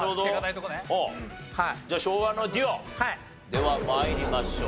では参りましょう。